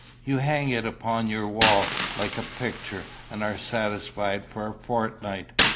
You hang it upon your wall, like a picture, and are satisfied for a fortnight.